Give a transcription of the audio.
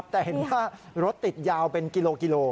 แต่เห็นว่ารถติดยาวเป็นกิโลกิโล